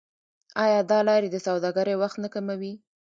آیا دا لارې د سوداګرۍ وخت نه کموي؟